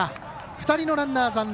２人のランナー残塁。